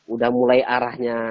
udah mulai arahnya